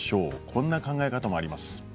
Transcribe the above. こんな考え方もあります。